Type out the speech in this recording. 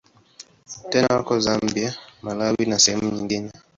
Tena wako Zambia, Malawi na sehemu nyingine.